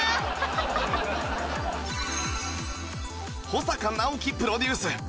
保阪尚希プロデュース